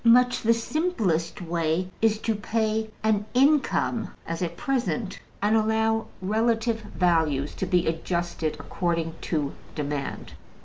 Much the simplest way is to pay an income, as at present, and allow relative values to be adjusted according to demand.